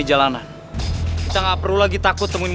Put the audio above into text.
iya kenangan dulu dong